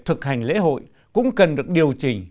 thực hành lễ hội cũng cần được điều chỉnh